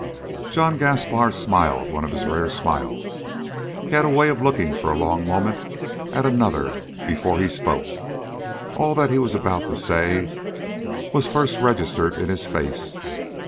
John Gaspar smiled one of his rare smiles. He had a way of looking for a long moment at another before he spoke. All that he was about to say was first registered in his face.